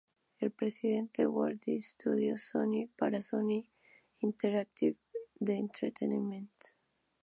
Es el presidente de Worldwide Studios de Sony para Sony Interactive Entertainment.